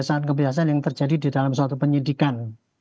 kebiasaan kebiasaan yang terjadi di dalam suatu penyidikan